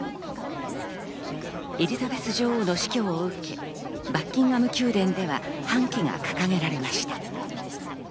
エリザベス女王の死去を受け、バッキンガム宮殿では半旗が掲げられました。